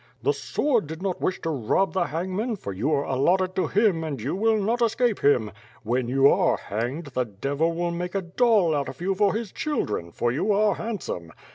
The sword did not wish to rob the hangman, for you are allotted to him and you will not escape him. When you are hanged, the devil will make a doll out of you for his children, for you are handsome.